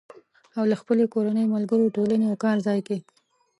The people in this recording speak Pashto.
او له خپلې کورنۍ، ملګرو، ټولنې او کار ځای کې